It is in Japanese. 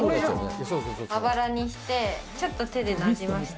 まばらにしてちょっと手でなじませて。